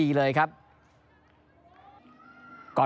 ทีมไทยบ้างครับทิ้งบอล